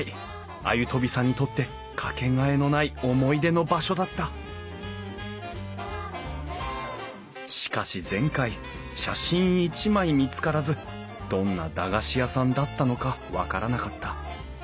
鮎飛さんにとって掛けがえのない思い出の場所だったしかし前回写真一枚見つからずどんな駄菓子屋さんだったのか分からなかった。